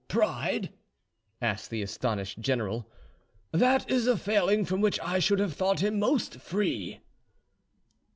"Pride?" asked the astonished general. "That is a failing from which I should have thought him most free."